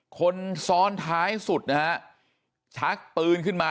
คนซ้อนท้ายสุดนะฮะชักปืนขึ้นมา